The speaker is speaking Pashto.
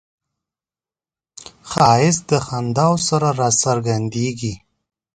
ښایست د خنداوو سره راڅرګندیږي